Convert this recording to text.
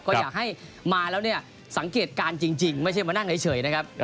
ก็อยากให้มาแล้วเนี่ยสังเกตการณ์จริงไม่ใช่มานั่งเฉยนะครับ